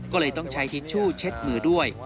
ก็เลยต้องใช้ทิชชู่เช็ดมือด้วย